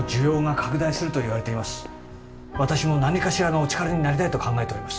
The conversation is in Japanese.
私も何かしらのお力になりたいと考えております。